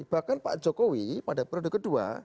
bahkan pak jokowi pada periode kedua